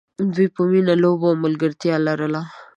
دوی به مینه، لوبه او ملګرتیا لرله.